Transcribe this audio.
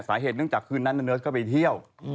สาเหตุเนื่องจากคืนนั้นเนิร์สก็ไปเที่ยว